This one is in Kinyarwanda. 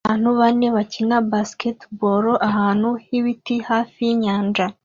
Abantu bane bakina basketball ahantu h'ibiti hafi yinyanja